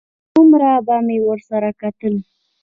هرومرو به مې ورسره کتل.